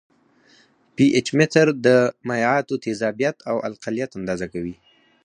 پي ایچ متر د مایعاتو تیزابیت او القلیت اندازه کوي.